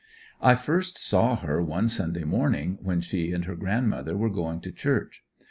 I first saw her one Sunday morning when she and her grandmother were going to church.